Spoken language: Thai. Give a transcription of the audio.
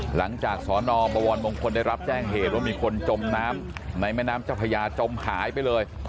หลังจากสอนอบวรมงคลได้รับแจ้งเหตุว่ามีคนจมน้ำในแม่น้ำเจ้าพญาจมหายไปเลย